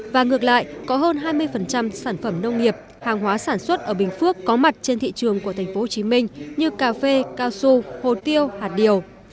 và ngược lại có hơn hai mươi sản phẩm nông nghiệp hàng hóa sản xuất ở bình phước có mặt trên thị trường của tp hcm như cà phê cao su hồ tiêu hạt điều